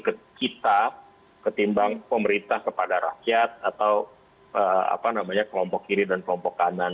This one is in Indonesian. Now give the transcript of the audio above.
ke kita ketimbang pemerintah kepada rakyat atau kelompok kiri dan kelompok kanan